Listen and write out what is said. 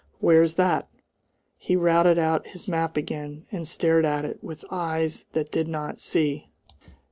where's that?" He routed out his map again, and stared at it with eyes that did not see.